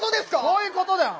こういうことだよ。